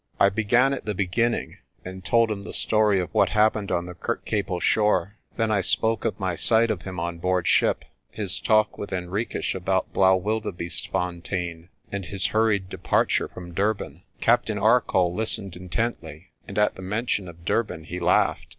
I began at the beginning, and told him the story of what happened on the Kirkcaple shore. Then I spoke of my sight of him on board ship, his talk with Henriques about Blaau wildebeestefontein, and his hurried departure from Durban. Captain Arcoll listened intently, and at the mention of Durban he laughed.